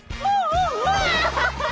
うわ！